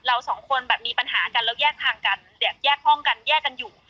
เราสองคนแบบมีปัญหากันแล้วแยกทางกันแบบแยกห้องกันแยกกันอยู่